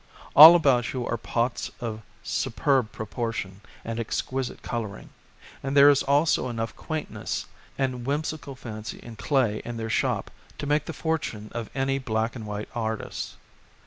All about you are pots of superb proportion and exquisite colouring, and there is also enough quaintness and whimsical fancy in clay in their shop to make the fortune of any black and white artist.